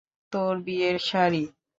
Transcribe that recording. তোর বিয়ের শাড়ি?